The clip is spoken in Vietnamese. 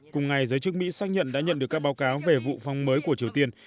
cùng ngày giới chức mỹ xác nhận đã nhận được các báo cáo về vụ phóng mới của triều tiên